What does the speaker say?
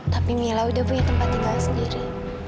tapi mila udah punya tempat tinggalnya sendiri